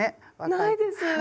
ないです。